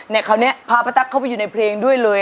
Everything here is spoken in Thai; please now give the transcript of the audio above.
คราวนี้พาป้าตั๊กเข้าไปอยู่ในเพลงด้วยเลย